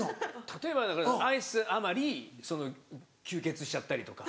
例えば愛すあまり吸血しちゃったりとか。